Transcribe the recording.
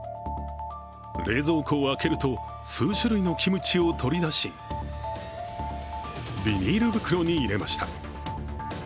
冷蔵庫を開けると、数種類のキムチを取り出しビニール袋に入れました。